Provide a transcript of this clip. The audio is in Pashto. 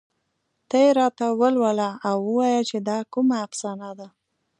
ته یې راته ولوله او ووايه چې دا کومه افسانه ده